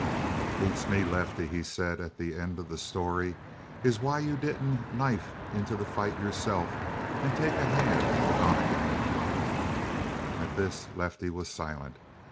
"What beats me, Lefty," he said at the end of the story, "is why you didn't knife into the fight yourself and take a hand with Donnegan" At this Lefty was silent.